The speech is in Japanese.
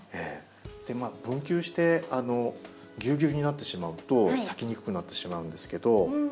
分球してぎゅうぎゅうになってしまうと咲きにくくなってしまうんですけど。